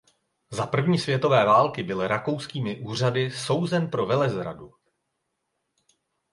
Za první světové války byl rakouskými úřady souzen pro velezradu.